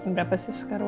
berapa sih sekarang